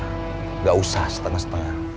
nggak usah setengah setengah